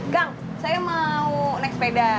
kang saya mau next sepeda